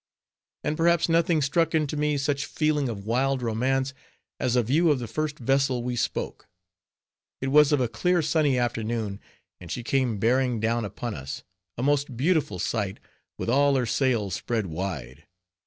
And perhaps nothing struck into me such a feeling of wild romance, as a view of the first vessel we spoke. It was of a clear sunny afternoon, and she came bearing down upon us, a most beautiful sight, with all her sails spread wide.